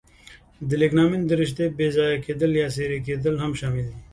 د لیګامنت د رشتې بې ځایه کېدل یا څیرې کېدل هم شامل دي.